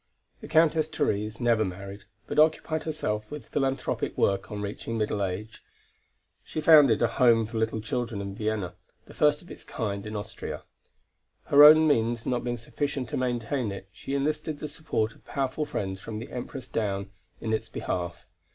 The Countess Therese never married, but occupied herself with philanthropic work on reaching middle age. She founded a home for little children in Vienna, the first of its kind in Austria; her own means not being sufficient to maintain it, she enlisted the support of powerful friends from the Empress down, in its behalf.